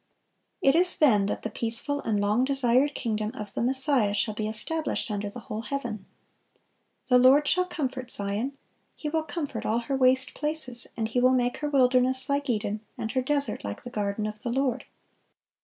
(463) It is then that the peaceful and long desired kingdom of the Messiah shall be established under the whole heaven. "The Lord shall comfort Zion: He will comfort all her waste places; and He will make her wilderness like Eden, and her desert like the garden of the Lord."